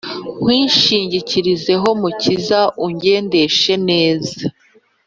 Nkwishingikirizeho mukiza ungendeshe neza